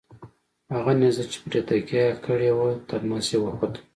هغه نیزه چې پرې تکیه یې کړې وه تر نس یې وخوته.